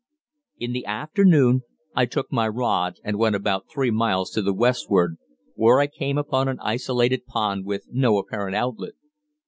In the afternoon I took my rod and went about three miles to the westward, where I came upon an isolated pond with no apparent outlet.